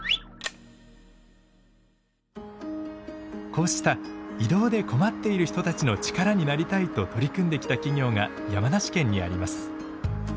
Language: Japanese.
こうした移動で困っている人たちの力になりたいと取り組んできた企業が山梨県にあります。